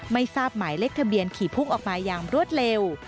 ไม่ทราบหมายเลขทะเบียนขี่พุ่งออกมาอย่างรวดเร็ว